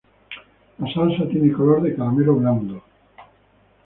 La salsa tiene color de caramelo blando.